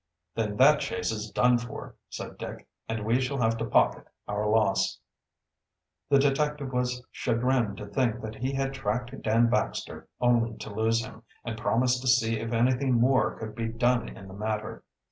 "Then that chase is done for," said Dick, "and we shall have to pocket our loss." The detective was chagrined to think that he had tracked Dan Baxter only to lose him, and promised to see if anything more could be done in the matter.